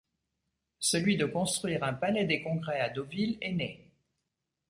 Celui de construire un palais des congrès à Deauville est né.